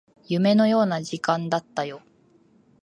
夢のような時間だったよ